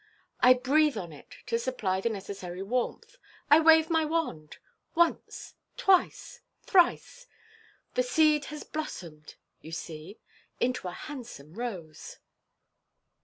" I breathe on it to supply the necessary warmth. I wave my wand — Once ! twice ! thrice ! The seed has blossomed, you see, into a handsome rose."